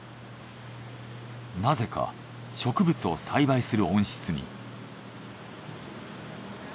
なぜか植物を栽培する温室に。